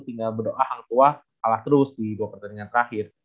tinggal berdoa hang tuah kalah terus di pertandingan terakhir